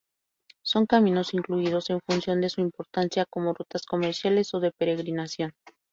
Son caminos incluidos en función de su importancia como rutas comerciales o de peregrinación.